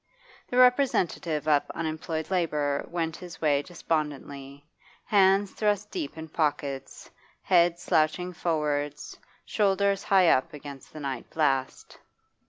The representative of unemployed labour went his way despondently, hands thrust deep in pockets, head slouching forwards, shoulders high up against the night blast.